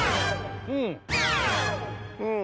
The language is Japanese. うん。